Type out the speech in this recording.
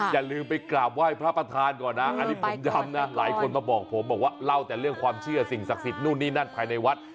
อย่าลืมไปกราบไหว้พระประธานก่อนนะอันนี้ผมย้ำนะหลายคนมาบอกผมบอกว่าเล่าแต่เรื่องความเชื่อสิ่งศักดิ์สิทธินู่นนี่นั่นภายในวัด